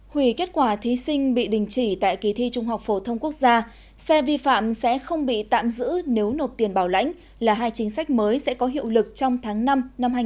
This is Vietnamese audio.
hủy kết quả thí sinh bị đình chỉ tại kỳ thi trung học phổ thông quốc gia xe vi phạm sẽ không bị tạm giữ nếu nộp tiền bảo lãnh là hai chính sách mới sẽ có hiệu lực trong tháng năm năm hai nghìn hai mươi